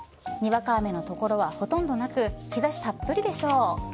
にわか雨の所はほとんどなく日差したっぷりでしょう。